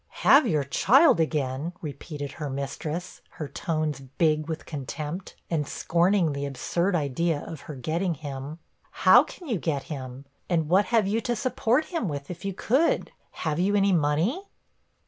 'Have your child again!' repeated her mistress her tones big with contempt, and scorning the absurd idea of her getting him. 'How can you get him? And what have you to support him with, if you could? Have you any money?'